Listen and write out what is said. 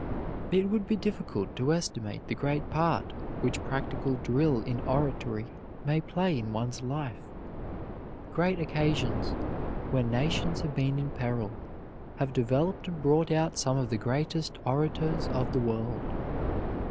It would be difficult to estimate the great part which practical drill in oratory may play in one's life. Great occasions, when nations have been in peril, have developed and brought out some of the greatest orators of the world.